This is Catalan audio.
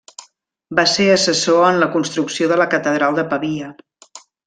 Va ser assessor en la construcció de la catedral de Pavia.